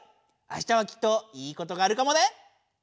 あしたはきっといいことがあるかもね！